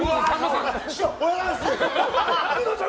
師匠、おはようございます！